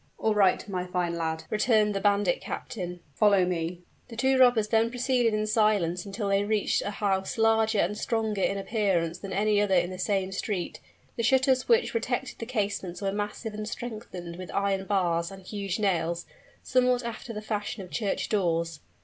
"All right, my fine lad," returned the bandit captain. "Follow me." The two robbers then proceeded in silence until they reached a house larger and stronger in appearance than any other in the same street. The shutters which protected the casements were massive and strengthened with iron bars and huge nails, somewhat after the fashion of church doors.